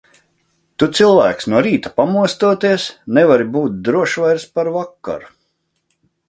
Tu, cilvēks, no rīta pamostoties, nevari būt drošs vairs par vakaru.